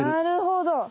なるほど！